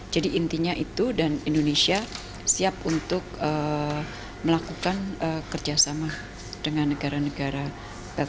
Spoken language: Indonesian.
jadi intinya itu dan indonesia siap untuk melakukan kerja secara berkualitas